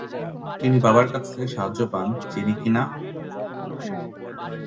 তিনি বাবার কাছ থেকে সাহায্য পান যিনি কিনা